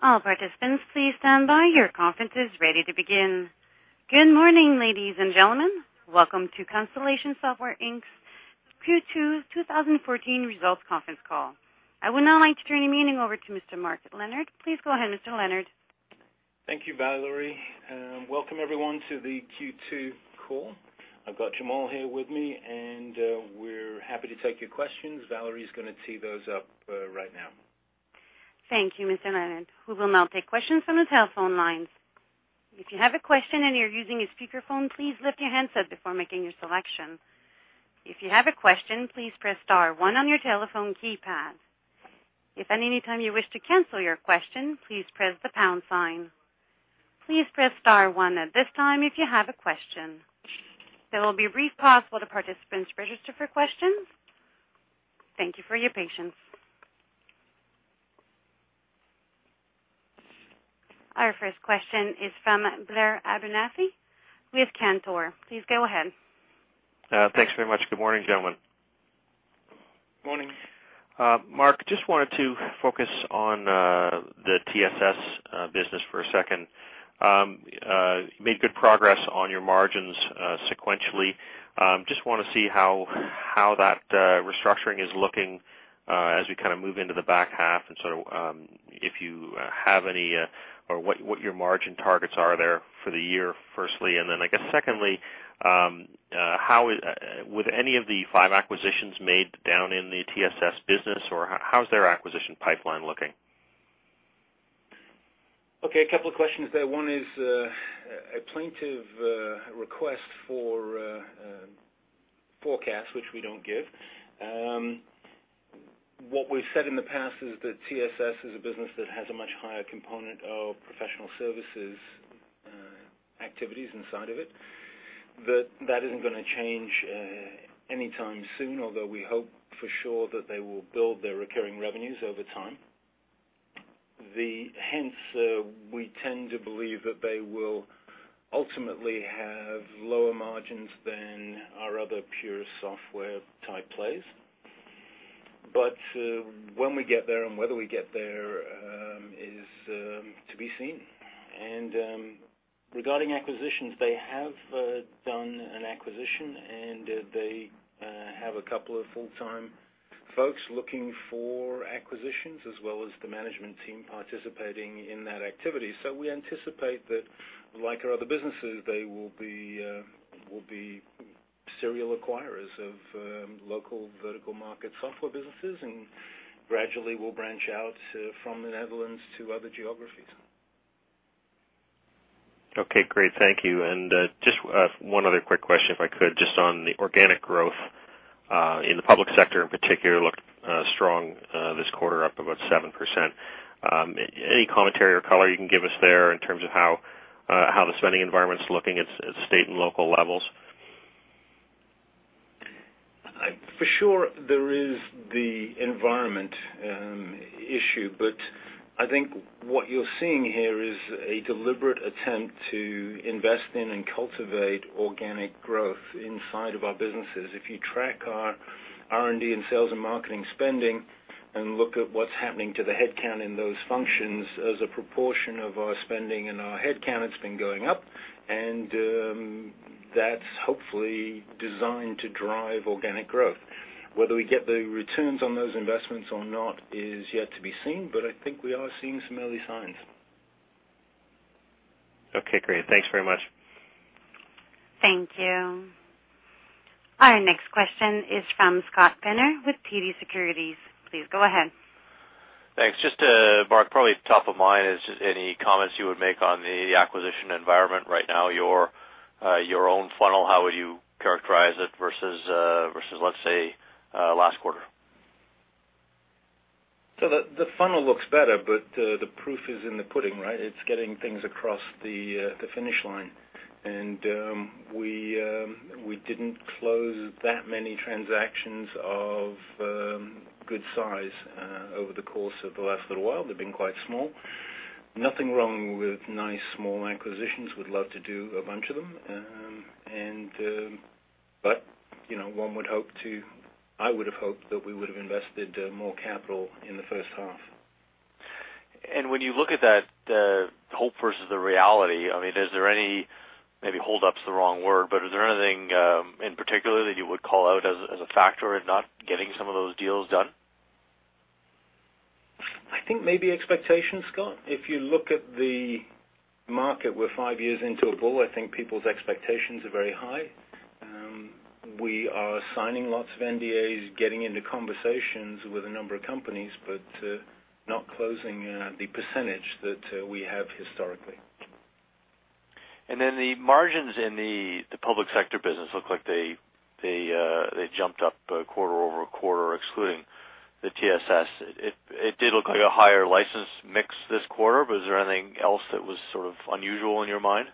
Good morning, ladies and gentlemen. Welcome to Constellation Software Inc.'s Q2 2014 Results Conference Call. I would now like to turn the meeting over to Mr. Mark Leonard. Please go ahead, Mr. Leonard. Thank you, Valerie. Welcome everyone to the Q2 call. I've got Jamal here with me, and we're happy to take your questions. Valerie's gonna tee those up right now. Thank you, Mr. Leonard. We will now take questions from the telephone lines. There will be a brief pause while the participants register for questions. Thank you for your patience. Our first question is from Blair Abernethy with Cantor Fitzgerald. Please go ahead. thanks very much. Good morning, gentlemen. Morning. Mark, just wanted to focus on the TSS business for a second. Made good progress on your margins sequentially. Just wanna see how that restructuring is looking as we kinda move into the back half and sort of, if you have any, or what your margin targets are there for the year, firstly. I guess secondly, were any of the 5 acquisitions made down in the TSS business, or how's their acquisition pipeline looking? Okay, a couple of questions there. One is a plaintive request for a forecast, which we don't give. What we've said in the past is that TSS is a business that has a much higher component of professional services activities inside of it, that that isn't gonna change anytime soon, although we hope for sure that they will build their recurring revenues over time. We tend to believe that they will ultimately have lower margins than our other pure software-type plays. When we get there and whether we get there is to be seen. Regarding acquisitions, they have done an acquisition, and they have a couple of full-time folks looking for acquisitions, as well as the management team participating in that activity. We anticipate that, like our other businesses, they will be serial acquirers of local vertical market software businesses and gradually will branch out from the Netherlands to other geographies. Okay, great. Thank you. Just one other quick question, if I could, just on the organic growth in the public sector in particular, looked strong this quarter, up about 7%. Any commentary or color you can give us there in terms of how the spending environment's looking at state and local levels? For sure, there is the environment, issue, but I think what you're seeing here is a deliberate attempt to invest in and cultivate organic growth inside of our businesses. If you track our R&D and sales and marketing spending and look at what's happening to the headcount in those functions as a proportion of our spending and our headcount, it's been going up, and that's hopefully designed to drive organic growth. Whether we get the returns on those investments or not is yet to be seen, but I think we are seeing some early signs. Okay, great. Thanks very much. Thank you. Our next question is from Scott Penner with TD Securities. Please go ahead. Thanks. Just to, Mark, probably top of mind, is any comments you would make on the acquisition environment right now? Your own funnel, how would you characterize it versus, let's say, last quarter? The funnel looks better, but the proof is in the pudding, right? It's getting things across the finish line. We didn't close that many transactions of good size over the course of the last little while. They've been quite small. Nothing wrong with nice, small acquisitions. We'd love to do a bunch of them. You know, I would have hoped that we would have invested more capital in the first half. When you look at that, hope versus the reality, I mean, is there any, maybe holdup's the wrong word, but is there anything in particular that you would call out as a factor in not getting some of those deals done? I think maybe expectations, Scott. If you look at the market, we're five years into a bull. I think people's expectations are very high. We are signing lots of NDAs, getting into conversations with a number of companies, but not closing the percentage that we have historically. The margins in the public sector business look like they jumped up quarter-over-quarter, excluding the TSS. It did look like a higher license mix this quarter, but is there anything else that was sort of unusual in your mind?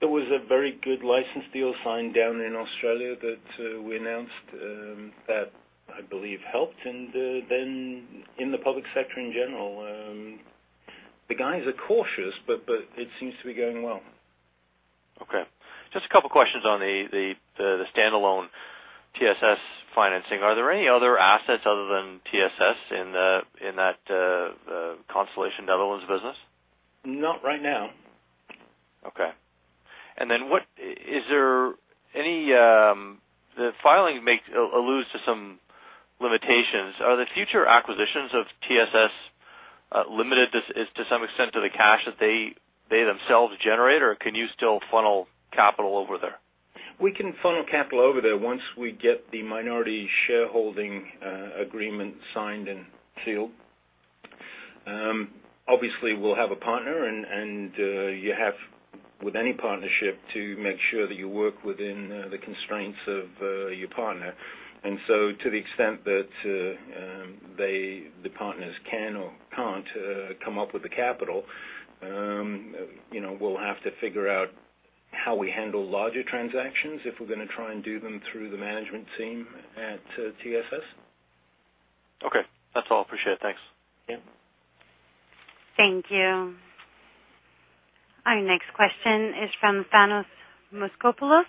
There was a very good license deal signed down in Australia that, we announced, that I believe helped. Then in the public sector in general, the guys are cautious, but it seems to be going well. Okay. Just a couple questions on the standalone TSS financing. Are there any other assets other than TSS in that Constellation Netherlands business? Not right now. Okay. The filing alludes to some limitations. Are the future acquisitions of TSS Limited just to some extent to the cash that they themselves generate, or can you still funnel capital over there? We can funnel capital over there once we get the minority shareholding agreement signed and sealed. Obviously we'll have a partner and, you have with any partnership to make sure that you work within the constraints of your partner. So to the extent that they, the partners can or can't come up with the capital, you know, we'll have to figure out how we handle larger transactions if we're gonna try and do them through the management team at TSS. Okay, that's all. Appreciate it. Thanks. Yeah. Thank you. Our next question is from Thanos Moschopoulos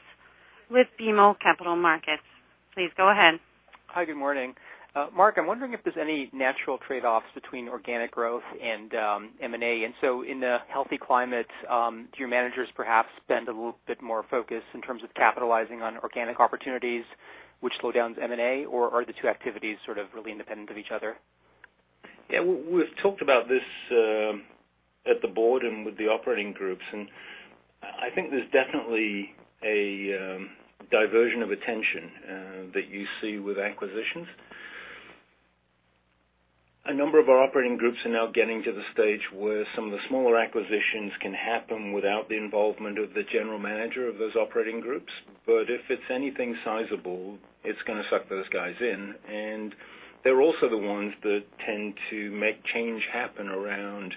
with BMO Capital Markets. Please go ahead. Hi, good morning. Mark, I'm wondering if there's any natural trade-offs between organic growth and M&A. In a healthy climate, do your managers perhaps spend a little bit more focus in terms of capitalizing on organic opportunities which slow down M&A, or are the two activities sort of really independent of each other? Yeah. We've talked about this at the board and with the operating groups, I think there's definitely a diversion of attention that you see with acquisitions. A number of our operating groups are now getting to the stage where some of the smaller acquisitions can happen without the involvement of the general manager of those operating groups. If it's anything sizable, it's gonna suck those guys in. They're also the ones that tend to make change happen around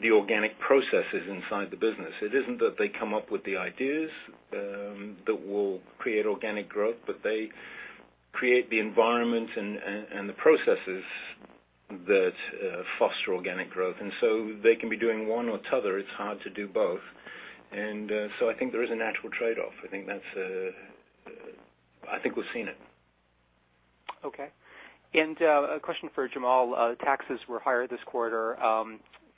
the organic processes inside the business. It isn't that they come up with the ideas that will create organic growth, but they create the environment and the processes that foster organic growth. They can be doing one or t'other. It's hard to do both. So I think there is a natural trade-off. I think that's, I think we've seen it. Okay. A question for Jamal. Taxes were higher this quarter.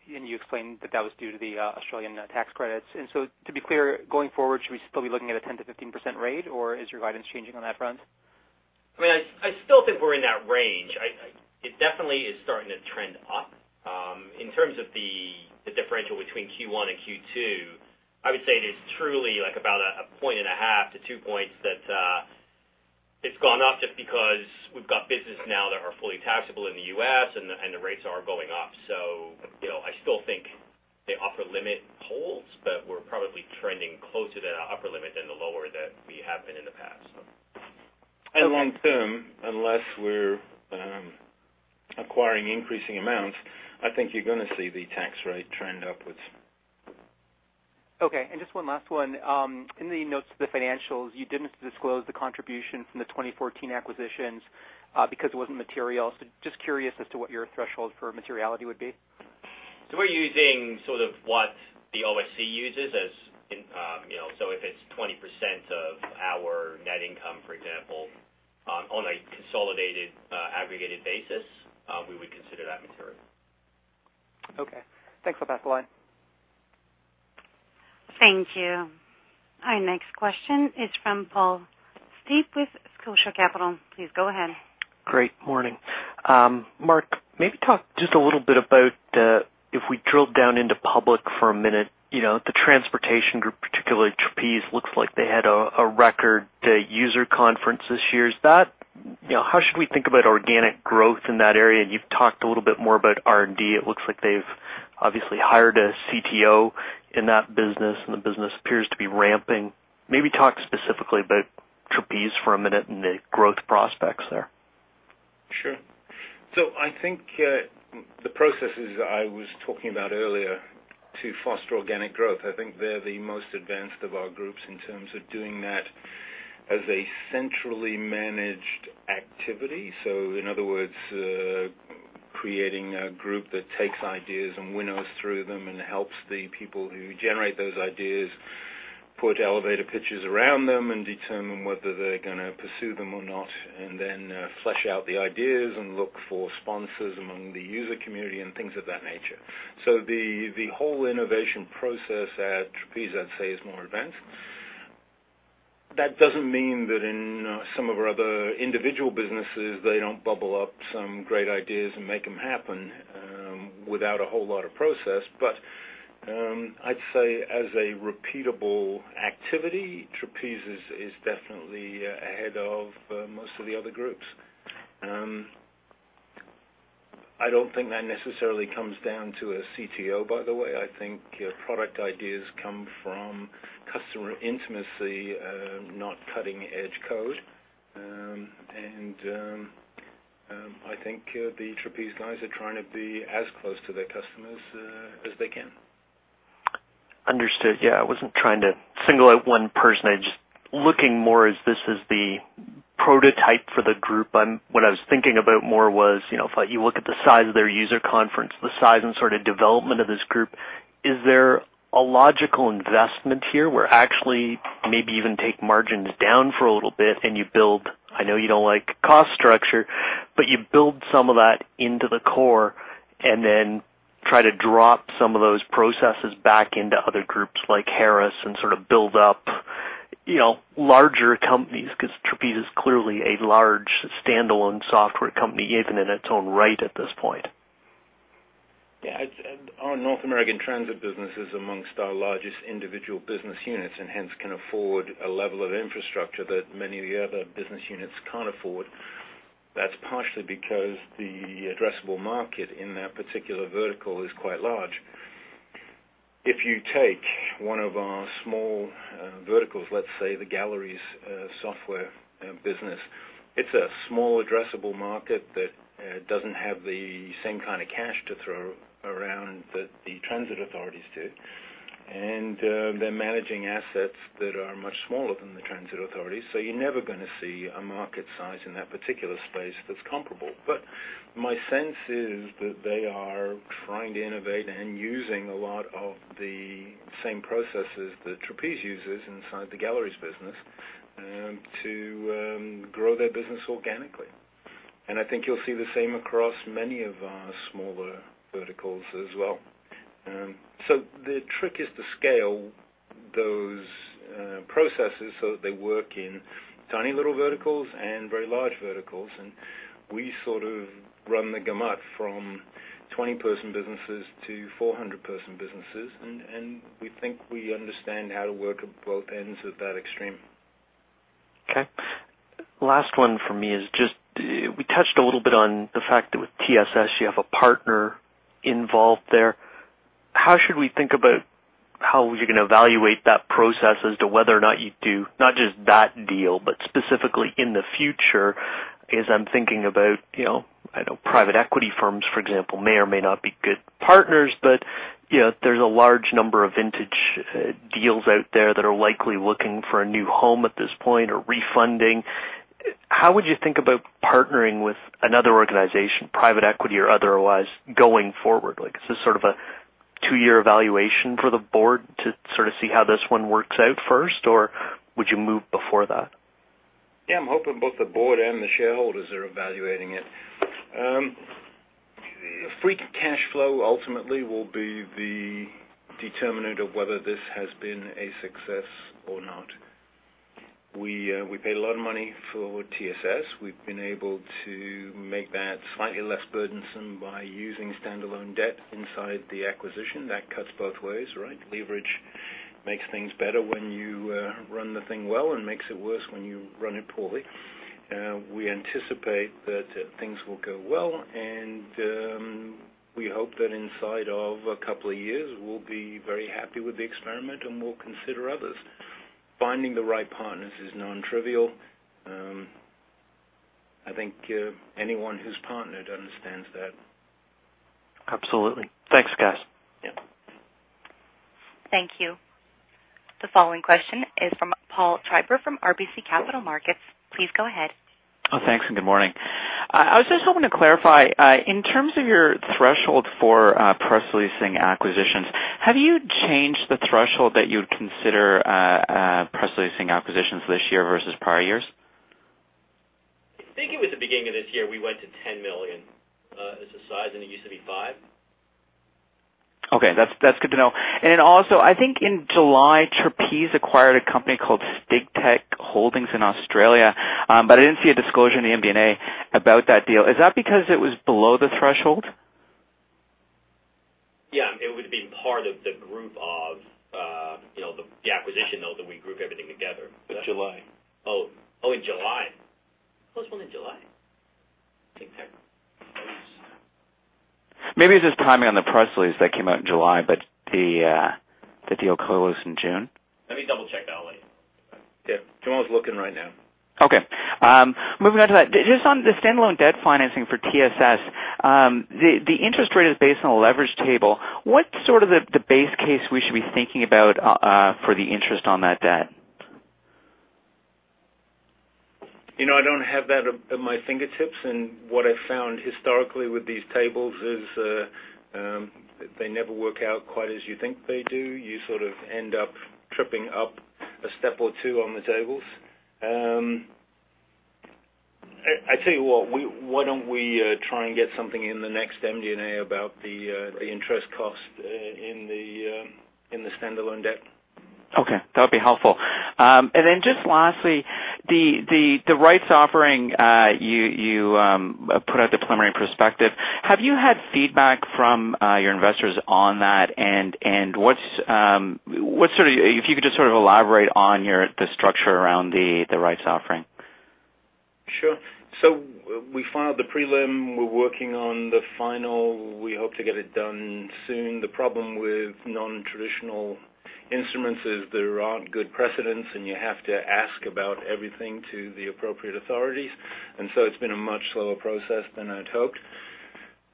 You explained that that was due to the Australian tax credits. To be clear, going forward, should we still be looking at a 10% to 15% rate, or is your guidance changing on that front? I mean, I still think we're in that range. It definitely is starting to trend up. In terms of the differential between Q1 and Q2, I would say it is truly like about 1.5 to two points that it's gone up just because we've got business now that are fully taxable in the U.S. and the rates are going up. You know, I still think the upper limit holds, but we're probably trending closer to the upper limit than the lower that we have been in the past. Long- term, unless we're acquiring increasing amounts, I think you're gonna see the tax rate trend upwards. Okay. Just one last one. In the notes to the financials, you didn't disclose the contribution from the 2014 acquisitions because it wasn't material. Just curious as to what your threshold for materiality would be. We're using sort of what the OSC uses as in, you know, if it's 20% of our net income, for example, on a consolidated, aggregated basis, we would consider that material. Okay. Thanks. I'll pass the line. Thank you. Our next question is from Paul Steep with Scotia Capital. Please go ahead. Great. Morning. Mark, maybe talk just a little bit about if we drilled down into public for a minute, you know, the transportation group, particularly Trapeze, looks like they had a record user conference this year. You know, how should we think about organic growth in that area? You've talked a little more about R&D. It looks like they've obviously hired a CTO in that business, and the business appears to be ramping. Maybe talk specifically about Trapeze for a minute and the growth prospects there. Sure. I think the processes I was talking about earlier to foster organic growth, I think they're the most advanced of our groups in terms of doing that as a centrally managed activity. In other words, creating a group that takes ideas and winnows through them and helps the people who generate those ideas put elevator pitches around them and determine whether they're gonna pursue them or not, and then flesh out the ideas and look for sponsors among the user community and things of that nature. The whole innovation process at Trapeze, I'd say, is more advanced. That doesn't mean that in some of our other individual businesses, they don't bubble up some great ideas and make them happen without a whole lot of process. I'd say as a repeatable activity, Trapeze is definitely ahead of most of the other groups. I don't think that necessarily comes down to a CTO, by the way. I think product ideas come from customer intimacy, not cutting-edge code. I think the Trapeze guys are trying to be as close to their customers as they can. Understood. Yeah, I wasn't trying to single out one person. I'm just looking more as this is the prototype for the group. What I was thinking about more was, you know, if you look at the size of their user conference, the size and sort of development of this group, is there a logical investment here where actually maybe even take margins down for a little bit and you build, I know you don't like cost structure, but you build some of that into the core and then try to drop some of those processes back into other groups like Harris and sort of build up, you know, larger companies? Trapeze is clearly a large standalone software company even in its own right at this point. Yeah. It's our North American transit business is amongst our largest individual business units and hence can afford a level of infrastructure that many of the other business units can't afford. That's partially because the addressable market in that particular vertical is quite large. If you take one of our small verticals, let's say the galleries software business, it's a small addressable market that doesn't have the same kind of cash to throw around that the transit authorities do. They're managing assets that are much smaller than the transit authorities, so you're never gonna see a market size in that particular space that's comparable. My sense is that they are trying to innovate and using a lot of the same processes that Trapeze uses inside the galleries business to grow their business organically. I think you'll see the same across many of our smaller verticals as well. So the trick is to scale those processes so that they work in tiny little verticals and very large verticals. We sort of run the gamut from 20-person businesses to 400-person businesses. We think we understand how to work at both ends of that extreme. Last one for me is just, we touched a little bit on the fact that with TSS you have a partner involved there. How should we think about how you're gonna evaluate that process as to whether or not you do, not just that deal, but specifically in the future, as I'm thinking about, you know, I know private equity firms, for example, may or may not be good partners, but, you know, there's a large number of vintage deals out there that are likely looking for a new home at this point or refunding. How would you think about partnering with another organization, private equity or otherwise, going forward? Like, is this sort of a two-year evaluation for the board to sort of see how this one works out first, or would you move before that? I'm hoping both the board and the shareholders are evaluating it. The free cash flow ultimately will be the determinant of whether this has been a success or not. We paid a lot of money for TSS. We've been able to make that slightly less burdensome by using standalone debt inside the acquisition. That cuts both ways, right? Leverage makes things better when you run the thing well and makes it worse when you run it poorly. We anticipate that things will go well, and we hope that inside of a couple of years we'll be very happy with the experiment and we'll consider others. Finding the right partners is non-trivial. I think anyone who's partnered understands that. Absolutely. Thanks, guys. Yeah. Thank you. The following question is from Paul Treiber from RBC Capital Markets. Please go ahead. Oh, thanks. Good morning. I was just hoping to clarify, in terms of your threshold for press releasing acquisitions, have you changed the threshold that you would consider press releasing acquisitions this year versus prior years? I think it was the beginning of this year, we went to 10 million as a size, and it used to be 5 million. Okay. That's good to know. Also, I think in July, Trapeze acquired a company called Sigtec Holdings in Australia, but I didn't see a disclosure in the MD&A about that deal. Is that because it was below the threshold? Yeah. It would have been part of the group of, you know, the acquisition, though, that we group everything together. The July. Oh, in July. What was the one in July? Sigtec. Maybe it's just timing on the press release that came out in July, but the deal closed in June. Let me double-check that, Paul. Yeah. John was looking right now. Okay. Moving on to that. Just on the standalone debt financing for TSS, the interest rate is based on a leverage table. What sort of the base case we should be thinking about for the interest on that debt? You know, I don't have that at my fingertips, and what I've found historically with these tables is, they never work out quite as you think they do. You sort of end up tripping up a step or 2 on the tables. I tell you what, why don't we try and get something in the next MD&A about the interest cost in the standalone debt? Okay. That would be helpful. Just lastly, the rights offering, you put out the preliminary prospectus. Have you had feedback from your investors on that? What's, if you could just sort of elaborate on the structure around the rights offering. Sure. We filed the prelim. We're working on the final. We hope to get it done soon. The problem with non-traditional instruments is there aren't good precedents, and you have to ask about everything to the appropriate authorities. It's been a much slower process than I'd hoped.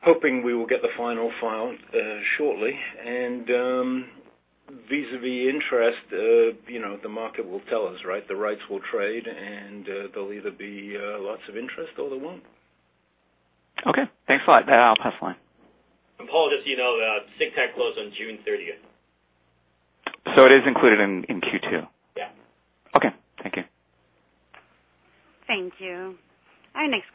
Hoping we will get the final file shortly. Vis-a-vis interest, you know, the market will tell us, right? The rights will trade. There'll either be lots of interest or there won't. Okay. Thanks a lot. I'll pass the line. Paul, just so you know, SIGTECH closed on June thirtieth. It is included in Q2? Yeah. Okay. Thank you. Thank you. Our next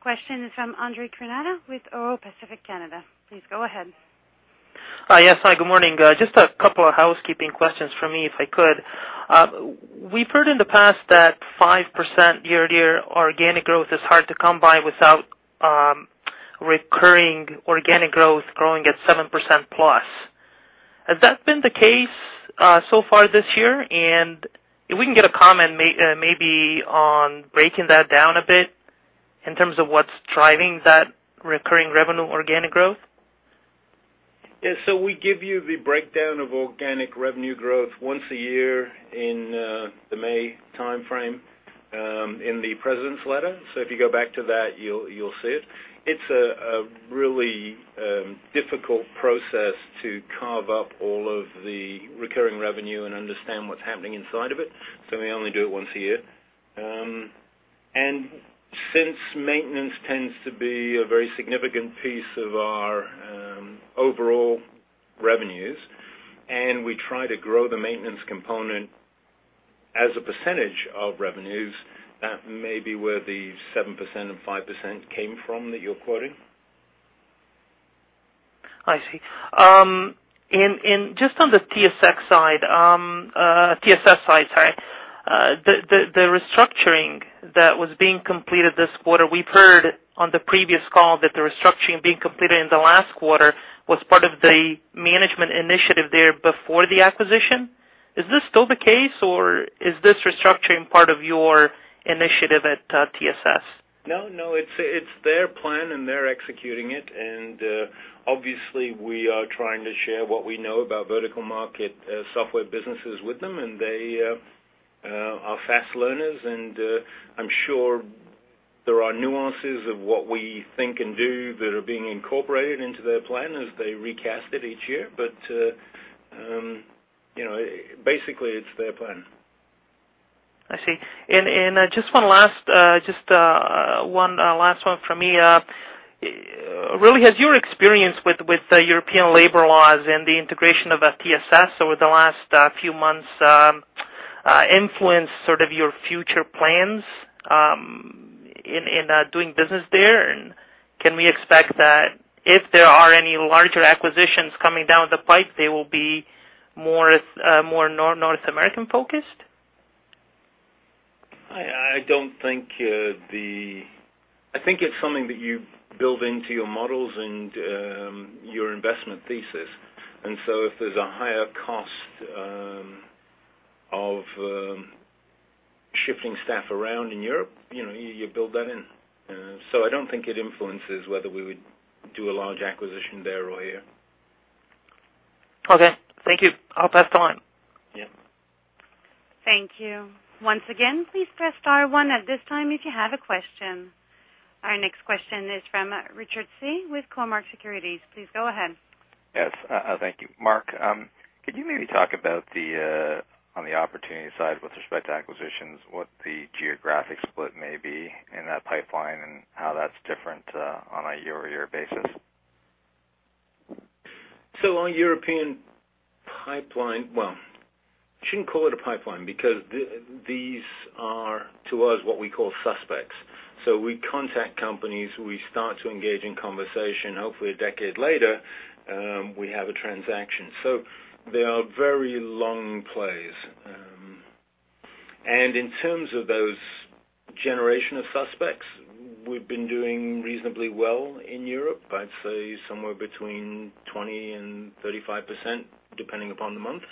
question is from Andre Cornada with Euro Pacific Canada. Please go ahead. Hi. Yes. Hi, good morning. Just a couple of housekeeping questions from me, if I could. We've heard in the past that 5% year-to-year organic growth is hard to come by without recurring organic growth growing at 7%+. Has that been the case so far this year? If we can get a comment maybe on breaking that down a bit in terms of what's driving that recurring revenue organic growth. Yeah. We give you the breakdown of organic revenue growth once a year in the May timeframe in the president's letter. If you go back to that, you'll see it. It's a really difficult process to carve up all of the recurring revenue and understand what's happening inside of it, so we only do it once a year. Since maintenance tends to be a very significant piece of our overall revenues, and we try to grow the maintenance component as a percentage of revenues, that may be where the 7% and 5% came from that you're quoting. I see. Just on the TSX side, TSS side, sorry. The restructuring that was being completed this quarter, we've heard on the previous call that the restructuring being completed in the last quarter was part of the management initiative there before the acquisition. Is this still the case, or is this restructuring part of your initiative at TSS? No, it's their plan, and they're executing it. Obviously, we are trying to share what we know about vertical market software businesses with them, and they are fast learners. I'm sure there are nuances of what we think and do that are being incorporated into their plan as they recast it each year. You know, basically, it's their plan. I see. Just one last one from me. Really has your experience with the European labor laws and the integration of TSS over the last few months influenced sort of your future plans in doing business there? Can we expect that if there are any larger acquisitions coming down the pipe, they will be more North American-focused? I don't think I think it's something that you build into your models and your investment thesis. If there's a higher cost of shifting staff around in Europe, you know, you build that in. I don't think it influences whether we would do a large acquisition there or here. Okay. Thank you. I'll pass the line. Yeah. Thank you. Once again, please press star one at this time if you have a question. Our next question is from Richard Tse with Cormark Securities. Please go ahead. Yes. Thank you, Mark, could you maybe talk about the on the opportunity side with respect to acquisitions, what the geographic split may be in that pipeline and how that's different on a year-over-year basis? Our European pipeline. Well, shouldn't call it a pipeline because these are, to us, what we call suspects. We contact companies, we start to engage in conversation. Hopefully, a decade later, we have a transaction. They are very long plays. In terms of those generation of suspects, we've been doing reasonably well in Europe. I'd say somewhere between 20% and 35%, depending upon the month,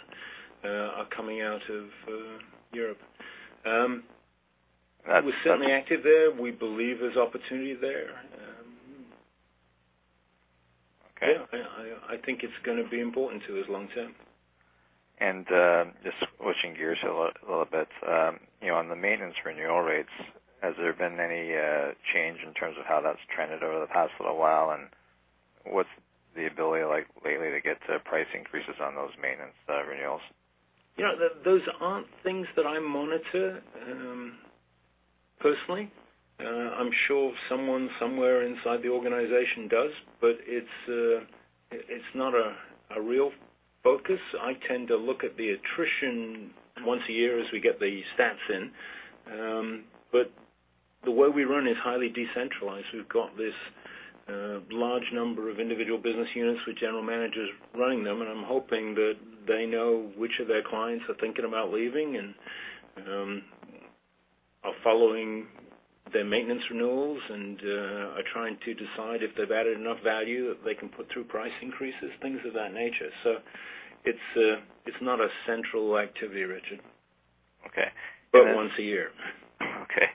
are coming out of Europe. We're certainly active there. We believe there's opportunity there. Okay I think it's gonna be important to us long -term. just switching gears a little bit. you know, on the maintenance renewal rates, has there been any change in terms of how that's trended over the past little while? What's the ability like lately to get price increases on those maintenance renewals? You know, those aren't things that I monitor personally. I'm sure someone somewhere inside the organization does, but it's not a real focus. I tend to look at the attrition once a year as we get the stats in. The way we run is highly decentralized. We've got this large number of individual business units with general managers running them, and I'm hoping that they know which of their clients are thinking about leaving and are following their maintenance renewals and are trying to decide if they've added enough value that they can put through price increases, things of that nature. It's not a central activity, Richard. Okay. Once a year. Okay.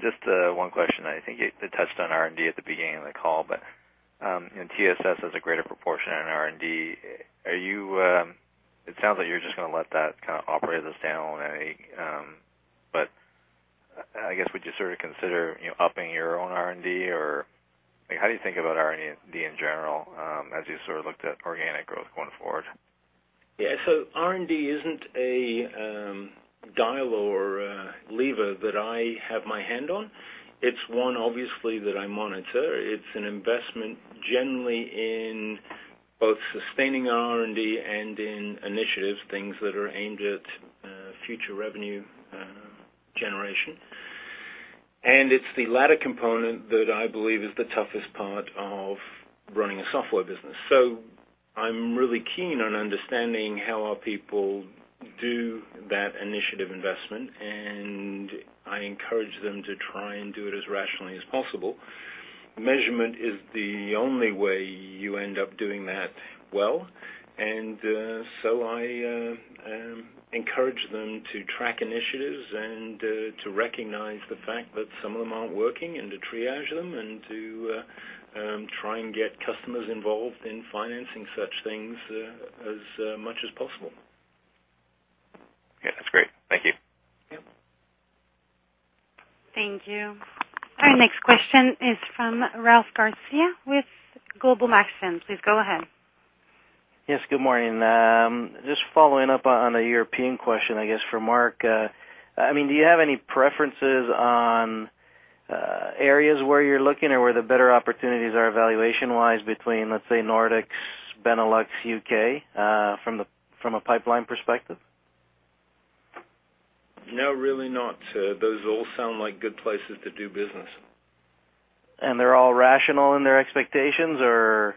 Just one question. I think it touched on R&D at the beginning of the call. TSS has a greater proportion in R&D. It sounds like you're just gonna let that kind of operate as a standalone entity. I guess, would you sort of consider, you know, upping your own R&D? How do you think about R&D in general, as you sort of looked at organic growth going forward? Yeah. R&D isn't a dial or a lever that I have my hand on. It's one obviously that I monitor. It's an investment generally in both sustaining R&D and in initiatives, things that are aimed at future revenue generation. It's the latter component that I believe is the toughest part of running a software business. I'm really keen on understanding how our people do that initiative investment, and I encourage them to try and do it as rationally as possible. Measurement is the only way you end up doing that well. I encourage them to track initiatives and to recognize the fact that some of them aren't working and to triage them and to try and get customers involved in financing such things as much as possible. Yeah, that's great. Thank you. Yeah. Thank you. Our next question is from Ralph Garcia with Global Maxfin. Please go ahead. Yes, good morning. Just following up on a European question, I guess, for Mark. I mean, do you have any preferences on areas where you're looking or where the better opportunities are valuation-wise between, let's say, Nordics, Benelux, U.K., from a pipeline perspective? No, really not. Those all sound like good places to do business. They're all rational in their expectations or.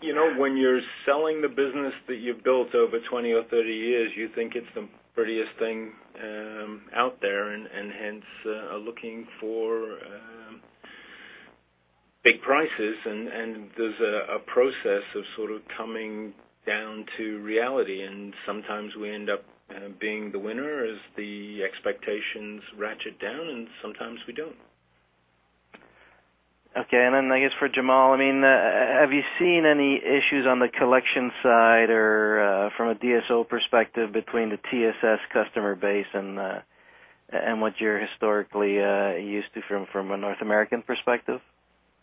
You know, when you're selling the business that you've built over 20 or 30 years, you think it's the prettiest thing out there and hence looking for big prices and there's a process of sort of coming down to reality, and sometimes we end up being the winner as the expectations ratchet down, and sometimes we don't. Okay. Then I guess for Jamal, I mean, have you seen any issues on the collection side or from a DSO perspective between the TSS customer base and what you're historically used to from a North American perspective?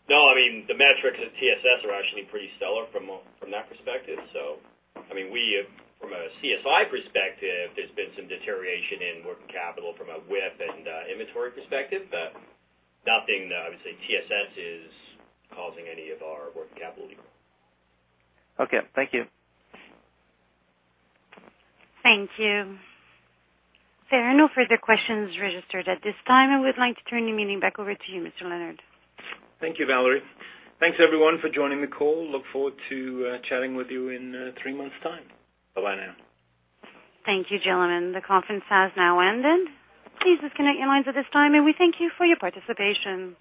No. I mean, the metrics at TSS are actually pretty stellar from that perspective. I mean, from a CSI perspective, there's been some deterioration in working capital from a WIP and inventory perspective. Nothing that I would say TSS is causing any of our working capital. Okay. Thank you. Thank you. There are no further questions registered at this time. I would like to turn the meeting back over to you, Mr. Leonard. Thank you, Valerie. Thanks, everyone for joining the call. Look forward to chatting with you in three months' time. Bye-bye now. Thank you, gentlemen. The conference has now ended. Please disconnect your lines at this time, and we thank you for your participation.